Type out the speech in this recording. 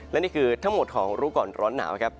และนี่คือทั้งหมดของรู้ก่อนร้อนหนาวครับ